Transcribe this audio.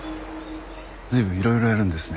随分いろいろやるんですね